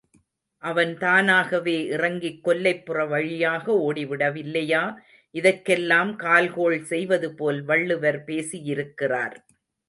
அவன் தானாகவே இறங்கிக் கொல்லைப்புற, வழியாக ஓடிவிடவில்லையா இதற்கெல்லாம் கால்கோள் செய்வதுபோல வள்ளுவர் பேசியிருக்கிறார்.